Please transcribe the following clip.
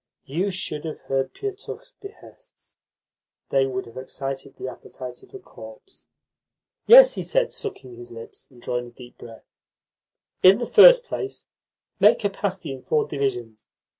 You should have heard Pietukh's behests! They would have excited the appetite of a corpse. "Yes," he said, sucking his lips, and drawing a deep breath, "in the first place, make a pasty in four divisions.